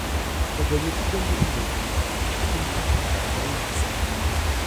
په دولتي دندو کې د ګمارل کېدنې د برابرۍ اصل